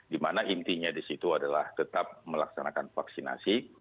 di mana intinya di situ adalah tetap melaksanakan vaksinasi